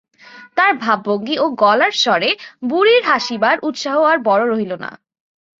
তার ভাবভঙ্গি ও গলার স্বরে বুড়ির হাসিবার উৎসাহ আর বড় রহিল না।